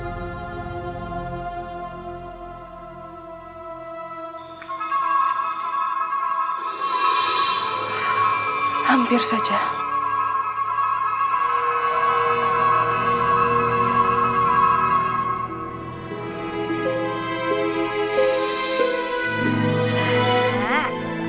umar terus jatuh